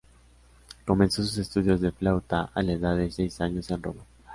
Comenzó sus estudios de flauta a la edad de seis años en Roma.